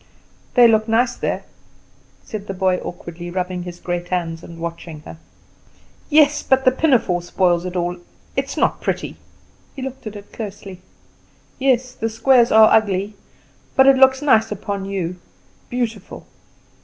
"They look nice there," said the boy, awkwardly rubbing his great hands and watching her. "Yes; but the pinafore spoils it all; it is not pretty." He looked at it closely. "Yes, the squares are ugly; but it looks nice upon you beautiful."